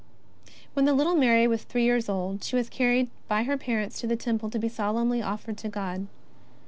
When the little Mary was three years old, she was carried by her parents to the Temple to be solemnly offered to God.